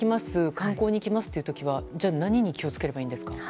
観光に行きますという時は何に気を付ければいいんですか。